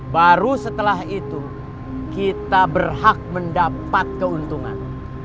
baru setelah itu kita berhak mendapat keuntungan